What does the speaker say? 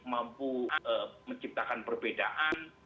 mampu menciptakan perbedaan